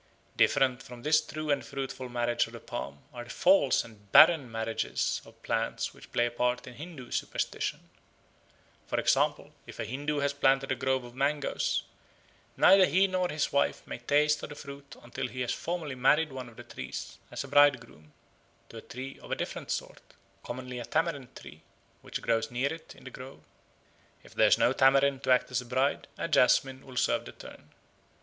Different from this true and fruitful marriage of the palm are the false and barren marriages of plants which play a part in Hindoo superstition. For example, if a Hindoo has planted a grove of mangos, neither he nor his wife may taste of the fruit until he has formally married one of the trees, as a bridegroom, to a tree of a different sort, commonly a tamarind tree, which grows near it in the grove. If there is no tamarind to act as bride, a jasmine will serve the turn.